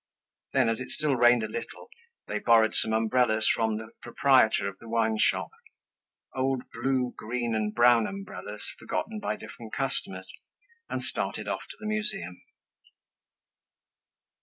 Then, as it still rained a little, they borrowed some umbrellas from the proprietor of the wineshop, old blue, green, and brown umbrellas, forgotten by different customers, and started off to the Museum.